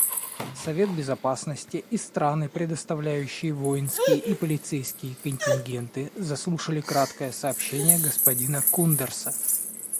Совет Безопасности и страны, предоставляющие воинские и полицейские контингенты, заслушали краткое сообщение господина Кундерса.